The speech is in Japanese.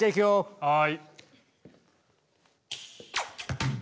はい。